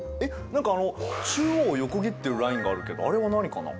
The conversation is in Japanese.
何かあの中央を横切ってるラインがあるけどあれは何かな？